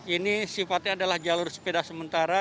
ini sifatnya adalah jalur sepeda sementara